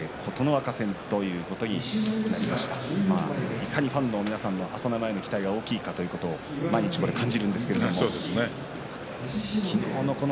いかにファンの皆さんの朝乃山への期待が大きいかということを毎日、感じるんですけれど。